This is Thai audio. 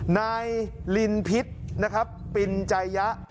นายลินพิษนะครับปินใจยะ